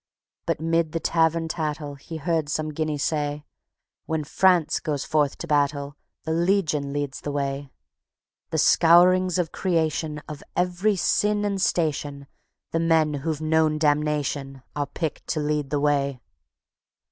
But 'mid the tavern tattle He heard some guinney say: "When France goes forth to battle, The Legion leads the way. _"The scourings of creation, Of every sin and station, The men who've known damnation, Are picked to lead the way."